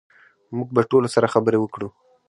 موږ به ټولو سره خبرې وکړو